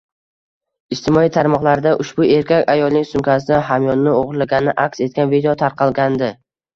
Ijtimoiy tarmoqlarda ushbu erkak ayolning sumkasidan hamyonni o‘g‘irlagani aks etgan video tarqalgandi